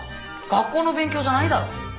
学校の勉強じゃないだろ。